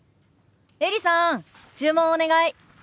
エリさん注文お願い。